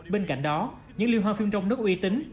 bên cạnh đó những liên hoan phim trong nước uy tín